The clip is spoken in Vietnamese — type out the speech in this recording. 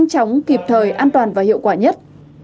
chóng kịp thời an toàn và hiệu quả nhất